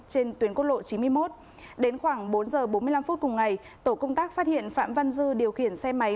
trên tuyến cốt lộ chín mươi một đến khoảng bốn h bốn mươi năm cùng ngày tổ công tác phát hiện phạm văn dư điều khiển xe máy